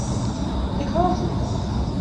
Ik hâld fan dy.